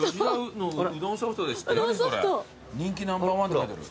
人気ナンバー１って書いてある。